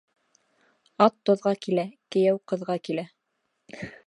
Ат тоҙға килә, кейәү ҡыҙға килә.